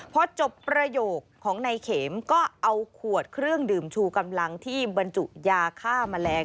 พอจบประโยคของนายเข็มก็เอาขวดเครื่องดื่มชูกำลังที่บรรจุยาฆ่าแมลง